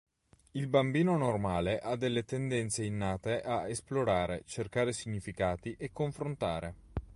Il bambino normale ha delle tendenze innate a esplorare, cercare significati e confrontare.